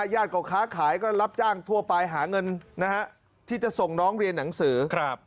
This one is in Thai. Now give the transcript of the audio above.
ญาติก็ค้าขายก็รับจ้างทั่วไปหาเงินที่จะส่งน้องเรียนหนังสือ